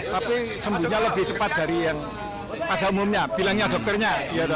tapi sembuhnya lebih cepat dari yang pada umumnya bilangnya dokternya